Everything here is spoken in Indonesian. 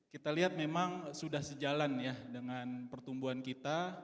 kita lihat memang sudah sejalan ya dengan pertumbuhan kita